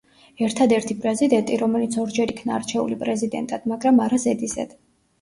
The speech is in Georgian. ერთადერთი პრეზიდენტი, რომელიც ორჯერ იქნა არჩეული პრეზიდენტად, მაგრამ არა ზედიზედ.